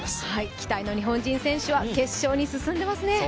期待の日本人選手は決勝に進んでいますね。